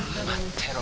てろ